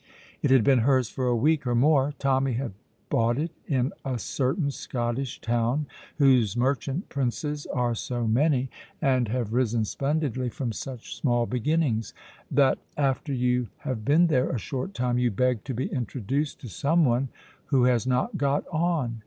It had been hers for a week or more. Tommy had bought it in a certain Scottish town whose merchant princes are so many, and have risen splendidly from such small beginnings, that after you have been there a short time you beg to be introduced to someone who has not got on.